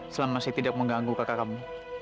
selama saya tidak mengganggu kakak kamu